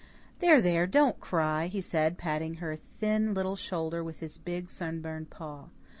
"There, there, don't cry," he said, patting her thin little shoulder with his big, sunburned paw.